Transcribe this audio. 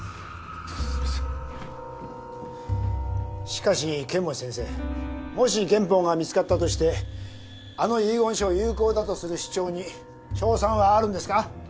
しかし剣持先生もし原本が見つかったとしてあの遺言書を有効だとする主張に勝算はあるんですか？